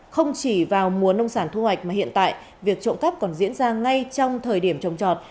không chỉ vào mùa nông sản thu hoạch mà hiện tại việc trộm cắp còn diễn ra ngay trong thời điểm trồng trọt